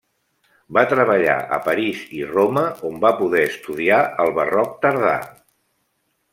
Va treballar a París i Roma, on va poder estudiar el barroc tardà.